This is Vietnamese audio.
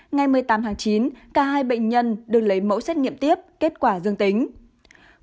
ngày một mươi tám tháng chín cả hai bệnh nhân được lấy mẫu xét nghiệm tiếp kết quả dương tính